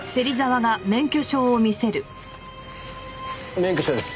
免許証です。